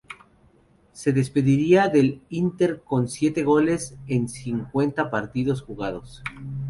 Se despediría del Inter con siete goles en cincuenta partidos jugados.